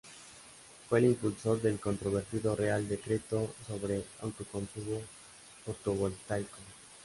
Fue el impulsor del controvertido Real Decreto sobre autoconsumo fotovoltaico.